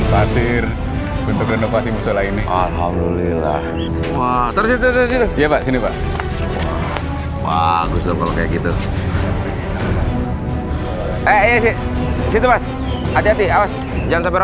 pasir untuk renovasi musyola ini alhamdulillah wah terus itu ya pak